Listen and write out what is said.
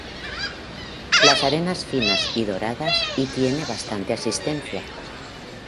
Las arenas finas y doradas y tiene bastante asistencia.